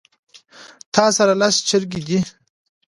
تاسره لس چرګې دي